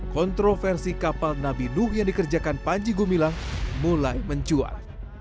retro versi kapal nabi nuh yang dikerjakan panji gumila mulai menjual